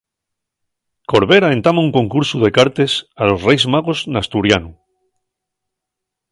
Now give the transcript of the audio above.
Corvera entama un concursu de cartes a los Reis Magos n'asturianu.